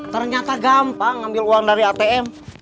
ternyata gampang ambil uang dari atm